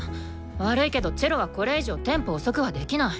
悪いけどチェロはこれ以上テンポ遅くはできない。